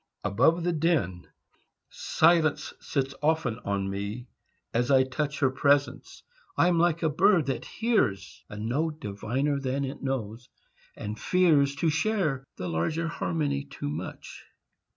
ABOVE THE DIN Silence sits often on me as I touch Her presence; I am like a bird that hears A note diviner than it knows, and fears To share the larger harmony too much.